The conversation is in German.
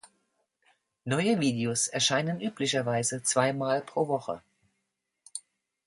Neue Videos erscheinen üblicherweise zwei Mal pro Woche.